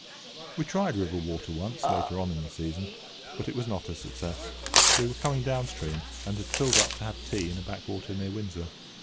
We tried river water once, later on in the season, but it was not a success. We were coming down stream, and had pulled up to have tea in a backwater near Windsor.